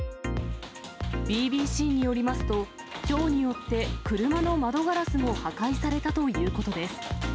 ＢＢＣによりますと、ひょうによって車の窓ガラスも破壊されたということです。